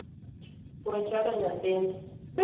We chwado nyathi no